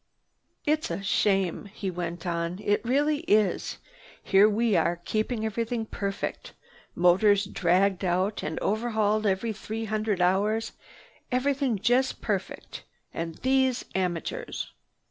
"It's a shame!" he went on. "It really is! Here we are keeping everything perfect. Motors dragged out and overhauled every three hundred hours, everything just perfect. And these amateurs!"